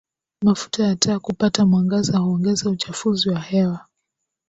mafuta ya taa kupata mwangaza huongeza uchafuzi wa hewa